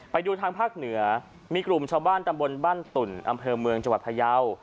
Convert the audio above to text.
ไปดูทางภาคเหนือมีกลุ่มชาวบ้านตำบลบ้านตุ่นอำเภอเมืองจังหวัดพยาว